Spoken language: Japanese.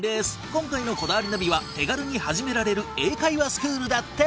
今回の『こだわりナビ』は手軽に始められる英会話スクールだって。